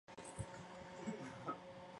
后在汴梁练兵。